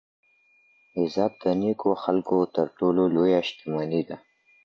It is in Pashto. عزت د نېکو خلکو تر ټولو لویه شتمني ده.